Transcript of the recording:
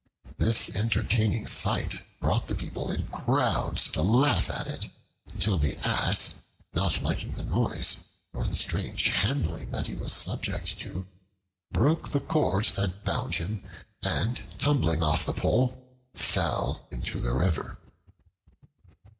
This entertaining sight brought the people in crowds to laugh at it, till the Ass, not liking the noise nor the strange handling that he was subject to, broke the cords that bound him and, tumbling off the pole, fell into the river.